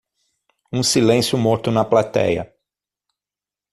um silêncio morto na platéia